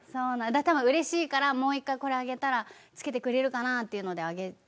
多分うれしいからもう１回これあげたら着けてくれるかなっていうのであげちゃうのかな。